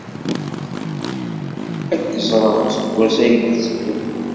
Ad k-ẓreɣ aseggas ay d-itteddun.